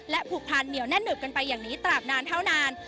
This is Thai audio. ผูกพันเหนียวแน่นหนึบกันไปอย่างนี้ตราบนานเท่านาน